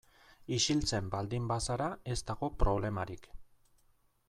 Isiltzen baldin bazara ez dago problemarik.